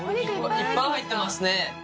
・いっぱい入ってますね